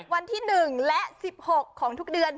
วันที่๑และ๑๖ของทุกเดือน